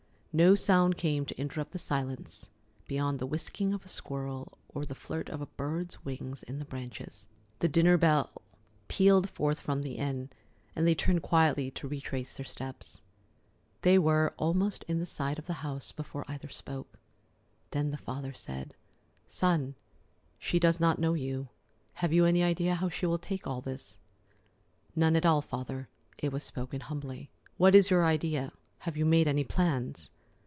No sound came to interrupt the silence beyond the whisking of a squirrel or the flirt of a bird's wings in the branches. The dinner bell pealed forth from the inn, and they turned quietly to retrace their steps. They were almost in sight of the house before either spoke. Then the father said: "Son, she does not know you. Have you any idea how she will take all this?" "None at all, Father." It was spoken humbly. "What is your idea? Have you made any plans?"